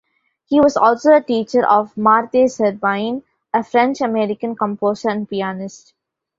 He was also a teacher of Marthe Servine, a French-American composer and pianist.